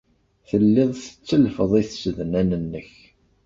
Telliḍ tettellfeḍ i tsednan-nnek.